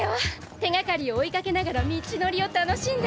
手がかりを追いかけながら道のりを楽しんだ。